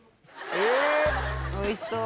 おいしそう。